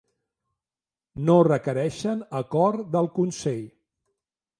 No requereixen acord del Consell.